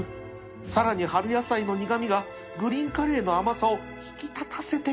さらに春野菜の苦味がグリーンカレーの甘さを引き立たせてくれる